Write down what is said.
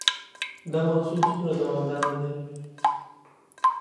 دا محصول څومره دوامدار دی؟